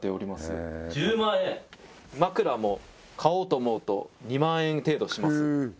枕も買おうと思うと２万円程度します